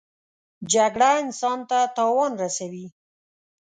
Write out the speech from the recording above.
جګړه انسان ته تاوان رسوي